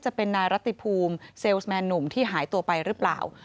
จะเป็นนายรัติภูมิเซลล์แมนหนุ่มที่หายตัวไปหรือเปล่า